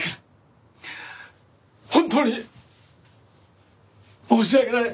本当に申し訳ない！